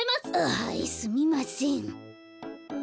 あはいすみません。